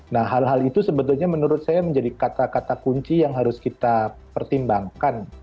nah hal hal itu sebetulnya menurut saya menjadi kata kata kunci yang harus kita pertimbangkan